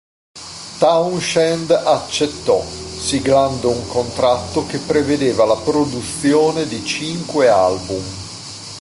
Townsend accettò, siglando un contratto che prevedeva la produzione di cinque album.